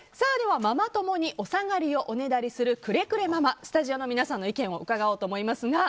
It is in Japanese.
ママ友におさがりをおねだりするクレクレママスタジオの皆さんの意見を伺おうと思います。